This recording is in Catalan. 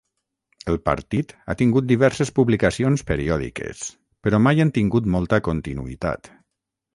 El partit ha tingut diverses publicacions periòdiques, però mai han tingut molta continuïtat.